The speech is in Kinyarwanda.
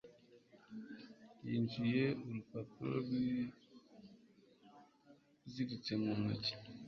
yinjije urupapuro rwiziritse mu ntoki.